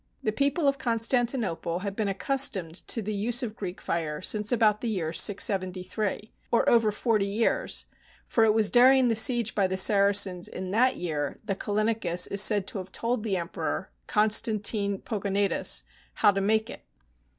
The people of Constantinople had been accustomed to the use of Greek fire since about the year 673, or over forty years, for it was during the siege by the Saracens in that year that Callinicus is said to have told the emperor, Constantine Pogo natus, how to make it.